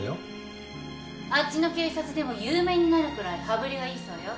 あっちの警察でも有名になるくらい羽振りがいいそうよ。